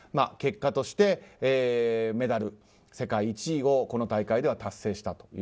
結果としてメダル世界１位をこの大会では達成した。